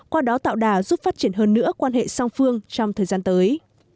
qua đó tạo đà giúp phát triển hơn nữa quan hệ song phương trong thời gian tới